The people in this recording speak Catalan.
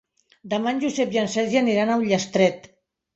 Demà en Josep i en Sergi aniran a Ullastret.